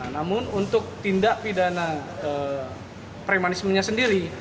namun untuk tindak pidana premanismenya sendiri